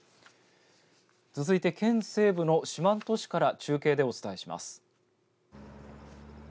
続いて、県西部の四万十市から中継でお伝えします。